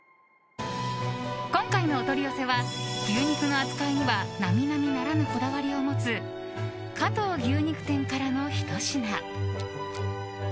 今回のお取り寄せは牛肉の扱いには並々ならぬこだわりを持つ加藤牛肉店からのひと品。